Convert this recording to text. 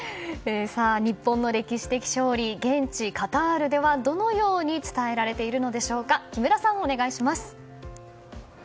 日本の歴史的勝利現地カタールではどのように伝えられているのでしょうか木村さん、お願いします。